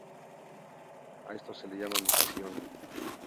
A esto se llama micción.